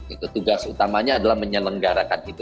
itu tugas utamanya adalah menyelenggarakan itu